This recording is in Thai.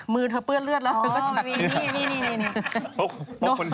มือเธอเปื้อนเลือดแล้วเธอก็ฉัดนี่